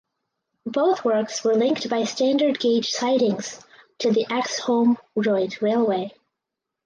Both works were linked by standard gauge sidings to the Axholme Joint Railway.